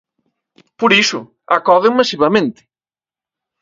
Por iso, acoden masivamente.